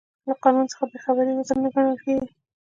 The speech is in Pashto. له قانون څخه بې خبري عذر نه ګڼل کیږي.